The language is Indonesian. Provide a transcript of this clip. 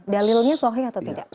dalilnya sohih atau tidak